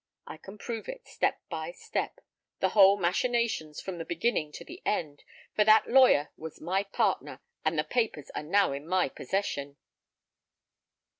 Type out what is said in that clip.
I can prove it step by step, the whole machinations from the beginning to the end, for that lawyer was my partner, and the papers are now in my possession."